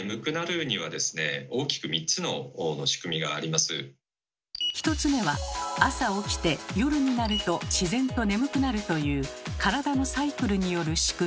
まず１つ目は朝起きて夜になると自然と眠くなるという体のサイクルによるしくみ。